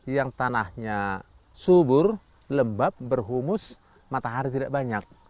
yang tanahnya subur lembab berhumus matahari tidak banyak